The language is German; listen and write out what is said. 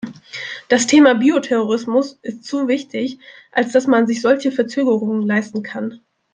Das Thema Bioterrorismus ist zu wichtig, als dass man sich solche Verzögerungen leisten kann!